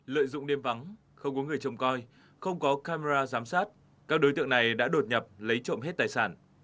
lợi dụng đêm vắng không có người trông coi không có camera giám sát các đối tượng này đã đột nhập lấy trộm hết tài sản